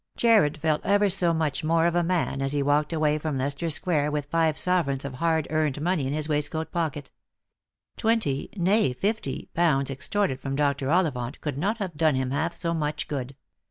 Jarred felt ever so much more of a man as he walked away from Leicester square with five sovereigns of hard earned money in his waistcoat pocket. Twenty, nay fifty, pounds extorted from Dr. Ollivant could not have done him half so much good.